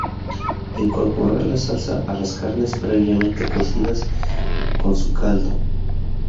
Incorporar la salsa a las carnes, previamente cocidas, con su caldo.